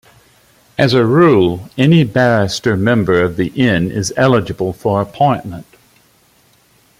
As a rule, any barrister member of the Inn is eligible for appointment.